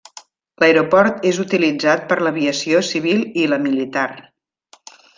L'aeroport és utilitzat per l'aviació civil i la militar.